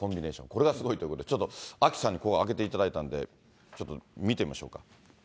これがすごいということで、ちょっとアキさんにここ、挙げていただいたんで、ちょっと見てみましょうか。